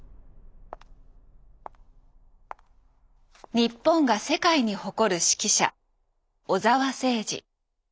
日本が世界に誇る指揮者小澤征爾。